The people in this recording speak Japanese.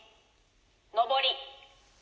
「上り」。